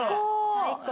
最高。